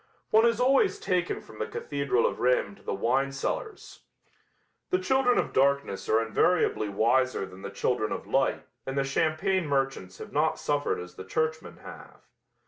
One is always taken from the cathedral of Rheims to the wine cellars. The children of darkness are invariably wiser than the children of light and the champagne merchants have not suffered as the churchmen have.